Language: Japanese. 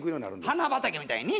花畑みたいにね。